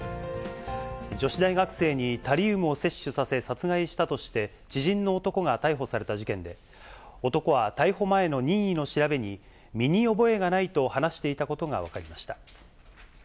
女子大学生にタリウムを摂取させ、殺害したとして、知人の男が逮捕された事件で、男は逮捕前の任意の調べに、身に覚えがないと話していたことが分かりました。